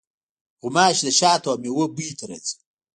غوماشې د شاتو او میوو بوی ته راځي.